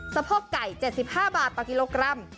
สะโพกไก่๗๕บาทต่อกิโลกรัม